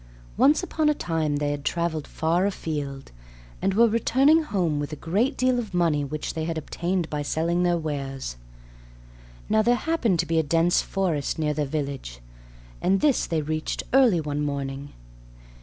Once upon a time they had traveled far afield, and were returning home with a great deal of money which they had obtained by selling their wares. Now there happened to be a dense forest near their village, and this they reached early one morning.